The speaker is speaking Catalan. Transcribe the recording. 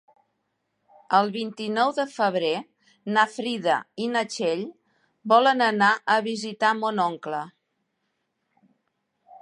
El vint-i-nou de febrer na Frida i na Txell volen anar a visitar mon oncle.